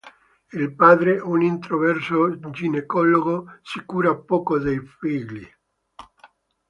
Il padre, un introverso ginecologo, si cura poco dei figli.